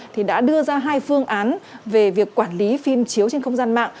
thì đã đưa ra hai phương án về việc quản lý phim chiếu trên không gian mạng